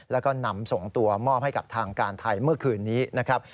แล้วก็นำส่งตัวมอบให้กับทางการไทยเมื่อคืนนี้นะครับ